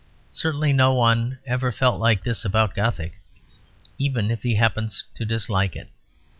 Certainly no one ever felt like this about Gothic, even if he happens to dislike it.